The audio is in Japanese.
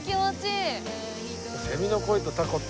セミの声と凧って。